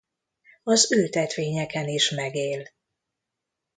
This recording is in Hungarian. Az ültetvényeken is megél.